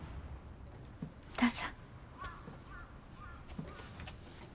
どうぞ。